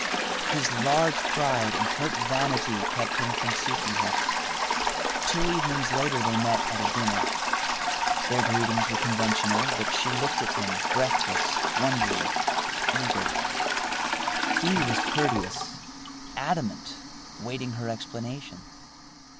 His large pride and hurt vanity kept him from seeking her. Two evenings later they met at a dinner. Their greetings were conventional, but she looked at him, breathless, wondering, eager. He was courteous, adamant, waiting her explanation.